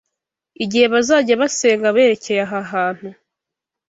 igihe bazajya basenga berekeye aha hantu